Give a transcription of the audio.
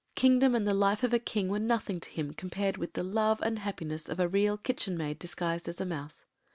Kingdom and the life of a king were nothing to him compared with the love and happiness of a Real Kitchen Maid disguised as a mouse.